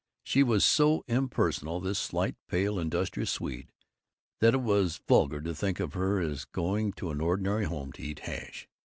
She was so impersonal, this slight, pale, industrious Swede, that it was vulgar to think of her as going to an ordinary home to eat hash.